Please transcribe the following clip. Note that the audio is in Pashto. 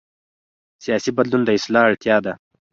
سیاسي بدلون د اصلاح اړتیا ده